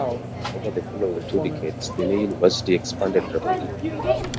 Over the following two decades, the new university expanded rapidly.